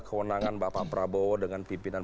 kewenangan bapak prabowo dengan pimpinan